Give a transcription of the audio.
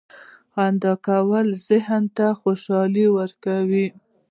• خندا کول ذهن ته خوشحالي ورکوي.